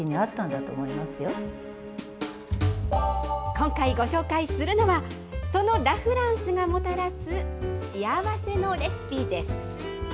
今回ご紹介するのは、そのラ・フランスがもたらす幸せのレシピです。